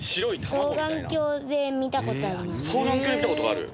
双眼鏡で見た事がある？